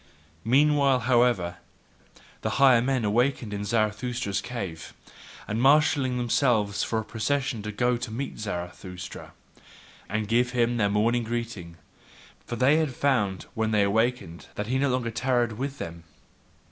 Meanwhile, however, the higher men had awakened in Zarathustra's cave, and marshalled themselves for a procession to go to meet Zarathustra, and give him their morning greeting: for they had found when they awakened that he no longer tarried with them.